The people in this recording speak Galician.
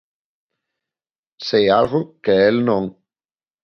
Sei algo que el non.